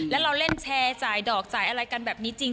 แล้วเราเล่นแชร์จ่ายดอกจ่ายอะไรกันแบบนี้จริง